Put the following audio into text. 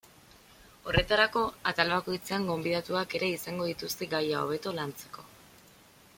Horretarako, atal bakoitzean gonbidatuak ere izango dituzte gaia hobeto lantzeko.